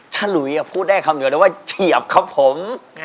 ฉลุยพูดได้คำเดียวเลยว่าเฉียบครับผม